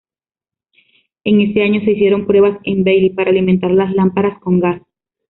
En ese año se hicieron pruebas en Baily para alimentar las lámparas con gas.